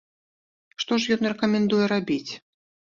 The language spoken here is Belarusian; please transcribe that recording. Што ж ён рэкамендуе рабіць?